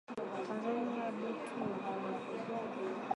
Tanzania bitu biko bei chini kupita kongo